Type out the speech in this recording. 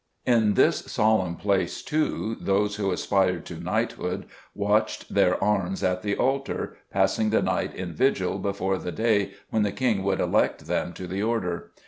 In this solemn place, too, those who aspired to knighthood watched their arms at the altar, passing the night in vigil before the day when the king would elect them to the order.